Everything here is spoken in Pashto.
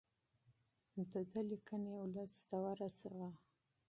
د ده لیکنې ولس ته ورسوو.